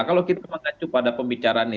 kalau kita matacu pada pembicaraan netizen